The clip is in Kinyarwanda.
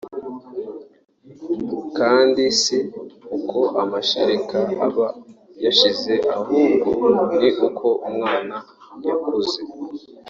kandi si uko amashereka aba yashize ahubwo ni uko umwana yakuze